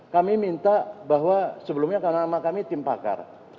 kami minta bahwa sebelumnya karena nama kami tim pakar